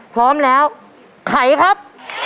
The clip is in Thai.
พร้อมแล้วไขครับ